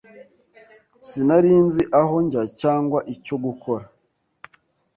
Sinari nzi aho njya, cyangwa icyo gukora.